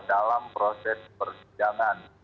dalam proses persidangan